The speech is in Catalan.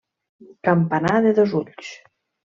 Campanar de dos ulls.